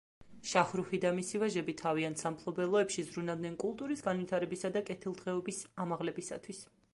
შაჰრუჰი და მისი ვაჟები თავიანთ სამფლობელოებში ზრუნავდნენ კულტურის განვითარებისა და კეთილდღეობის ამაღლებისათვის.